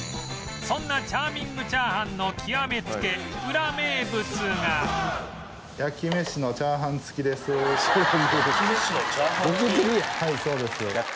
そんなチャーミングチャーハンの極めつけはいそうです。